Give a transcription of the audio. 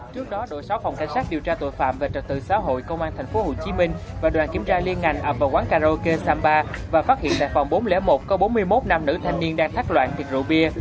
trước đó đội sáu phòng cảnh sát điều tra tội phạm về trật tự xã hội công an tp hcm và đoàn kiểm tra liên ngành ập vào quán karaoke tam ba và phát hiện tại phòng bốn trăm linh một có bốn mươi một nam nữ thanh niên đang thắt loạn việc rượu bia